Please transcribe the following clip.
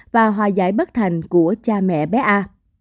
và hòa giải bất thành của cha mẹ bé a